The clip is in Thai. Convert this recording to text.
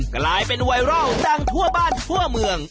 กลายเป็นไวรัลดังทั่วบ้านทั่วเมือง